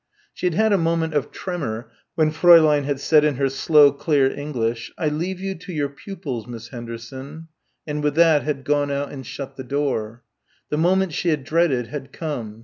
She had had a moment of tremor when Fräulein had said in her slow clear English, "I leave you to your pupils, Miss Henderson," and with that had gone out and shut the door. The moment she had dreaded had come.